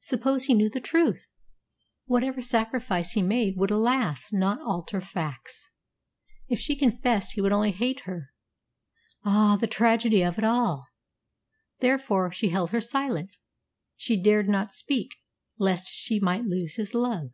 Suppose he knew the truth! Whatever sacrifice he made would, alas! not alter facts. If she confessed, he would only hate her. Ah, the tragedy of it all! Therefore she held her silence; she dared not speak lest she might lose his love.